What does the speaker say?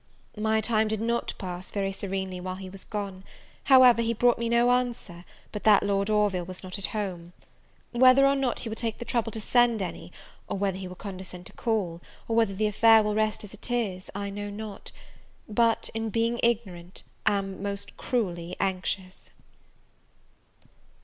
My time did not pass very serenely while he was gone; however, he brought me no answer, but that Lord Orville was not at home. Whether or not he will take the trouble to send any, or whether he will condescend to call, or whether the affair will rest as it is, I know not; but, in being ignorant, am most cruelly anxious.